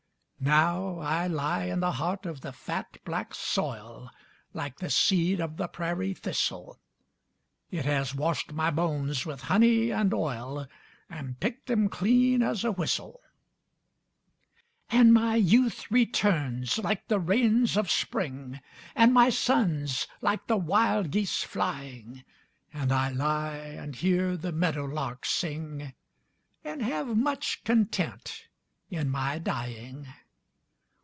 Now I lie in the heart of the fat, black soil, Like the seed of the prairie thistle; It has washed my bones with honey and oil And picked them clean as a whistle. And my youth returns, like the rains of Spring, And my sons, like the wild geese flying; And I lie and hear the meadow lark sing And have much content in my dying.